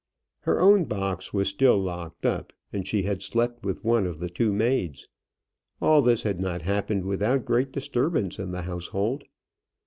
Her own box was still locked up, and she had slept with one of the two maids. All this had not happened without great disturbance in the household.